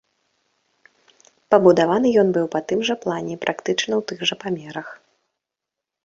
Пабудаваны ён быў па тым жа плане і практычна ў тых жа памерах.